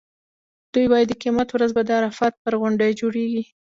دوی وایي د قیامت ورځ به د عرفات پر غونډۍ جوړېږي.